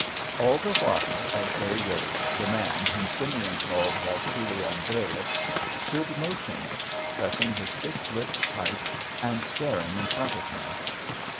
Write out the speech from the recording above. All the while as they rowed the man, whom Simeon called Vassili Andreich, stood motionless, pressing his thick lips tight and staring in front of him.